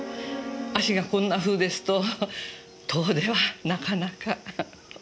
足がこんなふうですと遠出はなかなか。